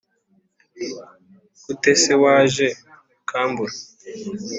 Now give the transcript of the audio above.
gute se waje ukambura?